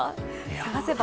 探せば。